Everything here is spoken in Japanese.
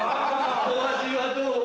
お味はどう？